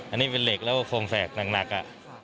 อันนี้เป็นเหล็กแล้วฟังแฝกหนักอะ